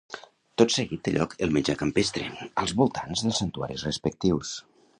Tot seguit té lloc el menjar campestre als voltants dels santuaris respectius.